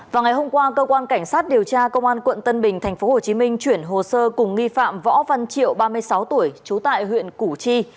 vào ngày hôm qua cơ quan cảnh sát điều tra công an quận tân bình tp hcm chuyển hồ sơ cùng nghi phạm võ văn triệu ba mươi sáu tuổi trú tại huyện củ chi